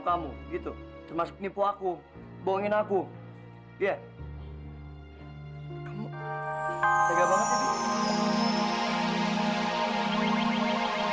kamu gitu termasuk nipu aku bohongin aku ya tega banget